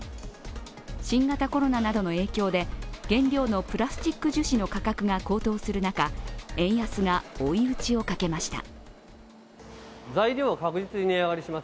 新型コロナなどの影響で原料のプラスチック樹脂の価格が高騰する中、円安が追い打ちをかけました。